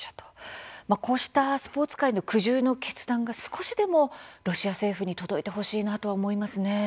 こうしたスポーツ界の苦渋の決断が少しでもロシア政府に届いてほしいなと思いますね。